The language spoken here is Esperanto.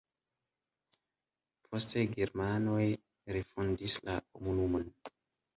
Poste germanoj refondis la komunumon.